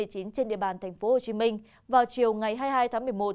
trên địa bàn tp hcm vào chiều ngày hai mươi hai tháng một mươi một